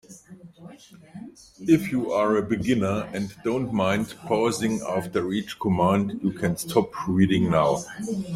If you are a beginner and don't mind pausing after each command, you can stop reading now.